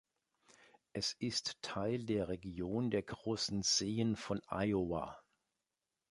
Es ist Teil der Region der Großen Seen von Iowa.